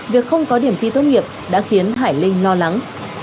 việc không có điểm thi tốt nghiệp đã khiến hải linh lo lắng